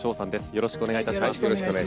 よろしくお願いします。